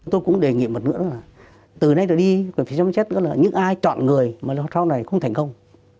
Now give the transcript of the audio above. tôi cũng đề nghiệm một nữa là từ nay tới đi phải chăm chết nữa là những ai chọn người mà sau này không thành công